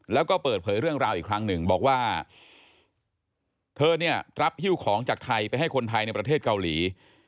แล้วก็เปิดเผยเรื่องราวอีกครั้งหนึ่งบอกว่าเธอเนี่ยรับฮิ้วของจากไทยไปให้คนไทยในประเทศเกาหลี